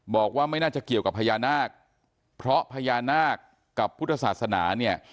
บอกว่าไม่น่าจะเกี่ยวกับพญานาคเพราะพญานาคกับพุทธศาสนาเนี่ย